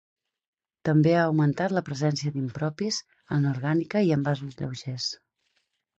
També ha augmentat la presència d’impropis en orgànica i envasos lleugers.